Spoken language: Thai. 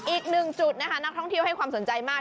อีกหนึ่งจุดนะคะนักท่องเที่ยวให้ความสนใจมาก